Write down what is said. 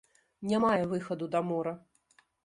Не мае выхаду да мора.